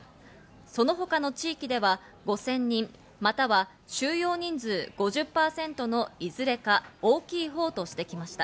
その他の地域では５０００人または収容人数５０％のいずれか大きいほうとしてきました。